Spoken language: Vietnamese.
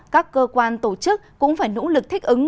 các cơ quan tổ chức cũng phải nỗ lực thích ứng